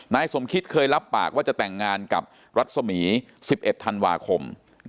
นายสมคิตเคยรับปากว่าจะแต่งงานกับรัศมี๑๑ธันวาคม